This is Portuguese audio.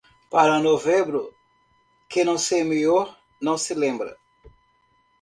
Para novembro, quem não semeou, não se lembra.